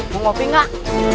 mau mopi gak